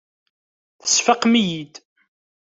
Tesfaqem-iyi-id.